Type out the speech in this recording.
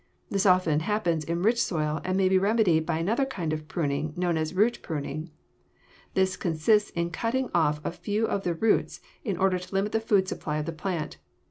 This often happens in rich soil and may be remedied by another kind of pruning known as root pruning. This consists in cutting off a few of the roots in order to limit the food supply of the plant.